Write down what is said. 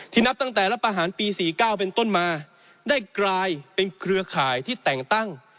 นับตั้งแต่รัฐประหารปี๔๙เป็นต้นมาได้กลายเป็นเครือข่ายที่แต่งตั้ง